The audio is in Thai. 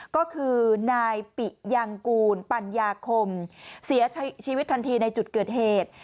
ก็คือนายปิยังกูลปัญญาคมเสียชีวิตทันทีในจุดเกิดเหตุ